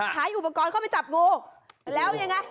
ใช้อุปกรณ์เข้าไปจับงูแล้วยังไง